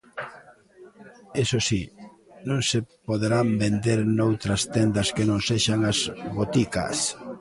Iso si, non se poderán vender noutras tendas que non sexan as boticas.